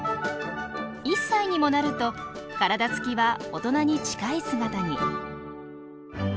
１歳にもなると体つきは大人に近い姿に。